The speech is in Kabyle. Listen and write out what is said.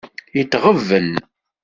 Itɣebben.